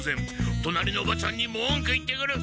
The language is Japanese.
隣のおばちゃんに文句言ってくる！